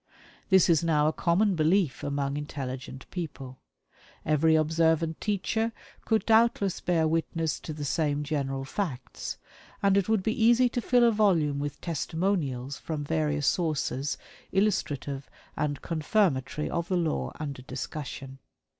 This is now a common belief among intelligent people. Every observant teacher could doubtless bear witness to the same general facts, and it would be easy to fill a volume with testimonials from various sources illustrative and confirmatory of the law under discussion.